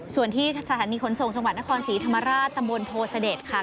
ส่วนที่สถานีขนส่งจังหวัดนครศรีธรรมราชตำบลโพเสด็จค่ะ